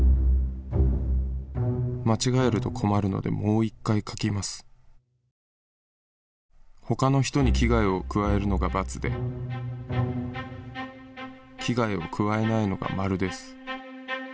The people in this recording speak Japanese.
「間違えると困るのでもう１回書きます」「他の人に危害を加えるのが『×』で「危害を加えないのが『○』です」